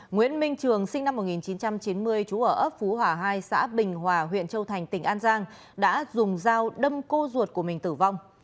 nguyễn minh trường sinh năm một nghìn chín trăm chín mươi trú ở ấp phú hòa hai xã bình hòa huyện châu thành tỉnh an giang đã dùng dao đâm cô ruột của mình tử vong